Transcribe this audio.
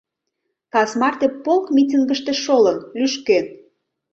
Кас марте полк митингыште шолын, лӱшкен.